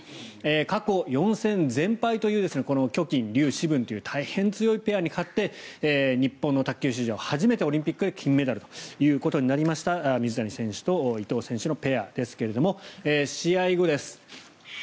過去４戦全敗というキョ・キンリュウ・シブンというペアに勝って日本の卓球史上初めてオリンピックで金メダルとなりました水谷選手と伊藤選手のペアですが試合後です。